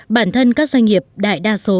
bản thân các doanh nghiệp đại đa số